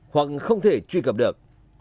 hoặc không thể truy cập được